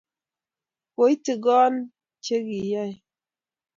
Koitigon che kiyae